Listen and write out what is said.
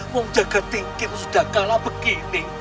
mau jaga tinggi sudah kalah begini